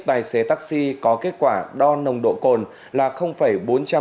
tài xế taxi có kết quả đo nồng độ cồn là không phải